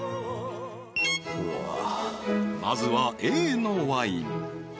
うわーまずはＡのワイン